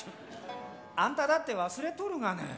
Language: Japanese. あんただって忘れとるがね！